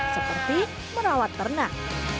seperti merawat ternak